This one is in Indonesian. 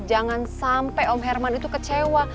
jangan sampai om herman itu kecewa